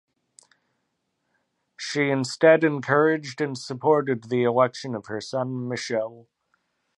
She instead encouraged and supported the election of her son Michel.